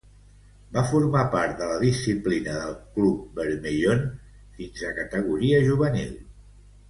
Va formar part de la disciplina del Club Bermellón fins a categoria juvenil.